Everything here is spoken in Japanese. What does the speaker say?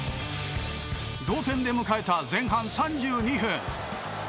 同点で迎えた前半３２分。